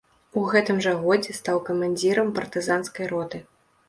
У гэтым жа годзе стаў камандзірам партызанскай роты.